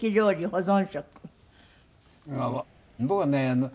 僕はね